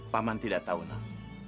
pak man tidak tahu nah